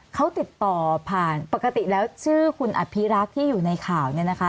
เขาติดต่อผ่านปกติแล้วชื่อคุณอภิรักษ์ที่อยู่ในข่าวเนี่ยนะคะ